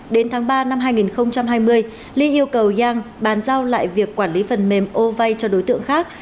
đến tháng ba năm hai nghìn hai mươi ly yêu cầu giang bàn giao lại việc quản lý phần mềm ô vay cho đối tượng khác